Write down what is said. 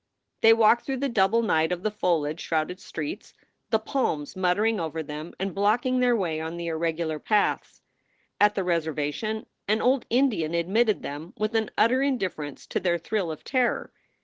They walked through the double night of the foliage shrouded streets, the palms muttering over them and blocking their way on the irregular paths. At the reservation an old Indian admitted them with an utter indifference to their thrill of terror.